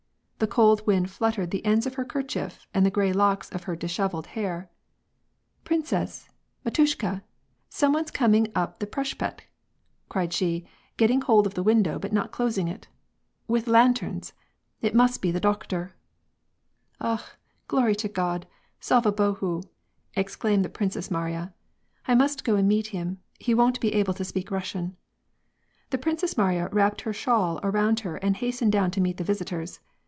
The cold wind fluttered the ends, of her kerchief and the gray locks o^ her dishevelled hair. " Princess ! matushka ! some one's coming up the preshpekt" cried she, getting hold of the window, but not closing it, "With lanterns ! It must be the dokhtorf" " Akh ! Glory to God, Slava Bohu," exclaimed the Princess Mariya. " I must go and meet him ; he won't be able to speak Eussian." The Princess Mariya wrapped her shawl around her and hastened down to meet the visitors.